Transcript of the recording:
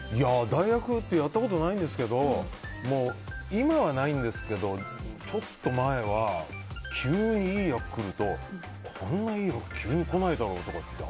代役ってやったことないんですけど今はないんですけどちょっと前は急にいい役来るとこんないい役急に来ないだろうって